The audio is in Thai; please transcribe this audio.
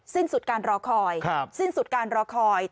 สิ้นสุดการรอคอยสิ้นสุดการรอคอย